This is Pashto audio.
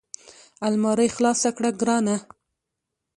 المارۍ خلاصه کړه ګرانه !